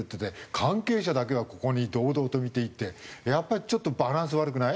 関係者だけはここに堂々と見ていいってやっぱりちょっとバランス悪くない？